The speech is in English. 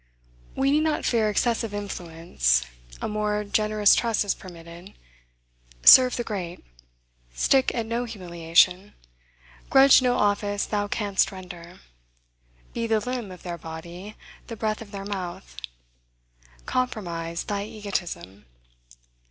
We need not fear excessive influence. A more generous trust is permitted. Serve the great. Stick at no humiliation. Grudge no office thou canst render. Be the limb of their body, the breath of their mouth. Compromise thy egotism.